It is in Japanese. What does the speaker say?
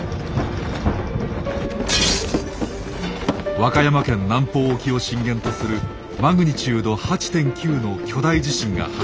和歌山県南方沖を震源とするＭ８．９の巨大地震が発生。